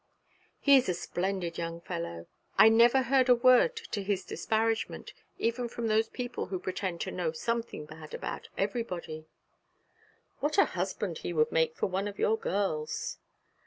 'He is a splendid young fellow. I never heard a word to his disparagement, even from those people who pretend to know something bad about everybody. What a husband he would make for one of your girls!'